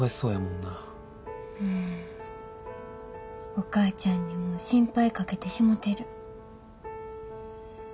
お母ちゃんにも心配かけてしもてる。